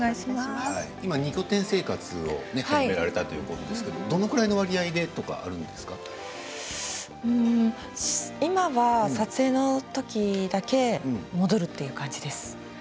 ２拠点生活を始められたということですがどれぐらいの割合でとか今は撮影の時だけ戻るという感じです。